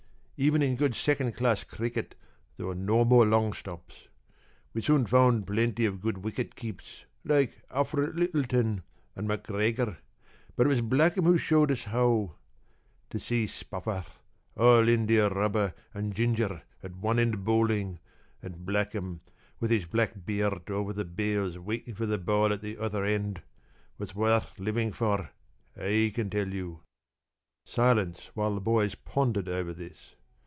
Even in good second class cricket there were no more long stops. We soon found plenty of good wicket keeps like Alfred Lyttelton and MacGregor but it was Blackham who showed us how. To see Spofforth, all india rubber and ginger, at one end bowling, and Blackham, with his black beard over the bails waiting for the ball at the other end, was worth living for, I can tell you." Silence while the boys pondered over this.